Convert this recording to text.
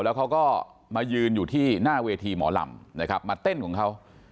แล้วเขาก็มายืนอยู่ที่หน้าเวทีหมอลำนะครับมาเต้นของเขา